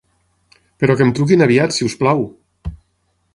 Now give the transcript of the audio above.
Però que em truquin aviat si us plau!